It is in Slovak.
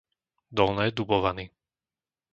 Dolné Dubovany